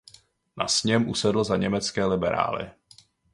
Na sněm usedl za německé liberály.